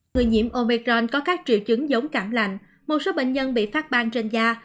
người nhiễm omicron có các triệu chứng giống cảm lành một số bệnh nhân bị phát ban trên da